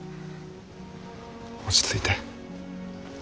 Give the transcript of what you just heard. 落ち着いて。